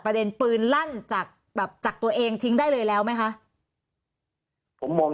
ประเด็นปืนลั่นจากแบบจากตัวเองทิ้งได้เลยแล้วไหมคะผมมอง